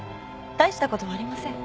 大したことはありません。